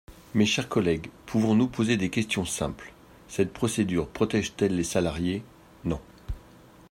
Mes chers collègues, pouvons-nous poser des questions simples ? Cette procédure protège-t-elle les salariés ? Non.